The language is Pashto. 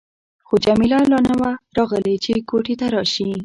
خو جميله لا نه وه راغلې چې کوټې ته راشي.